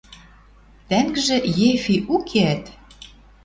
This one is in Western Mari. Тӓнгжӹ Ефи укеӓт.